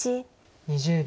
２０秒。